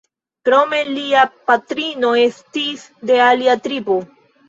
Krome lia patrino estis de alia tribo.